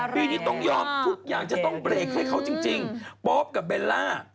ปีนี้ต้องยอมทุกอย่างจะต้องเบรกให้เขาจริงโป๊ปกับเบลล่า